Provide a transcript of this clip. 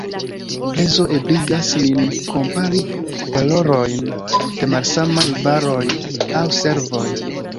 Prezo ebligas nin kompari valorojn de malsamaj varoj aŭ servoj.